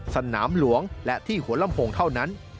สนามหลวงและที่หัวลำโพงเท่านั้น